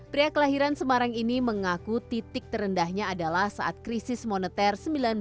pria kelahiran semarang ini mengaku titik terendahnya adalah saat krisis moneter seribu sembilan ratus sembilan puluh